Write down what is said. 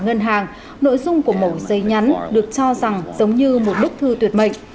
ngân hàng nội dung của mẫu dây nhắn được cho rằng giống như một bức thư tuyệt mệnh